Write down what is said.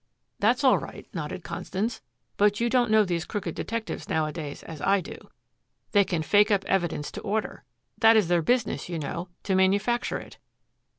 "That's all right," nodded Constance; "but you don't know these crooked detectives nowadays as I do. They can fake up evidence to order. That is their business, you know, to manufacture it.